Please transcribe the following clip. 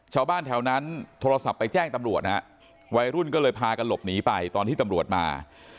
ชาวบ้านแถวนั้นโทรศัพท์ไปแจ้งตำรวจนะฮะวัยรุ่นก็เลยพากันหลบหนีไปตอนที่ตำรวจมา